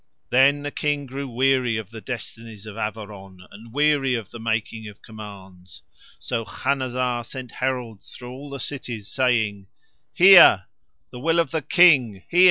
Then the King grew weary of the destinies of Averon and weary of the making of commands. So Khanazar sent heralds through all cities saying: "Hear! The will of the King! Hear!